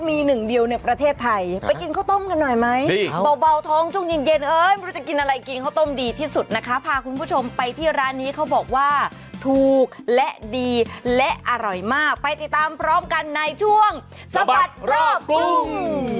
มีหนึ่งเดียวในประเทศไทยไปกินข้าวต้มกันหน่อยไหมเบาท้องช่วงเย็นเย็นเอ้ยไม่รู้จะกินอะไรกินข้าวต้มดีที่สุดนะคะพาคุณผู้ชมไปที่ร้านนี้เขาบอกว่าถูกและดีและอร่อยมากไปติดตามพร้อมกันในช่วงสะบัดรอบกรุง